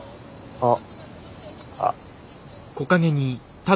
あっ。